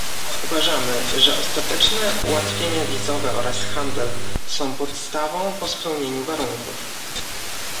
Uważamy, że ostateczne ułatwienia wizowe oraz handel są podstawą po spełnieniu warunków